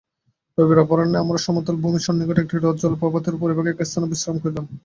রবিবার অপরাহ্নে আমরা সমতল ভূমির সন্নিকটে একটি হ্রদ ও জলপ্রপাতের উপরিভাগে একস্থানে বিশ্রাম করিলাম।